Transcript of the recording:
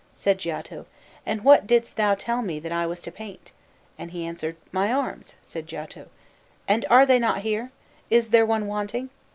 Said Giotto, 'And what didst thou tell me that I was to paint?' And he answered, 'My arms.' Said Giotto,' And are they not here? Is there one wanting?'